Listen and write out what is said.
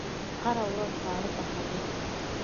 هره ورځ خواړه پخوم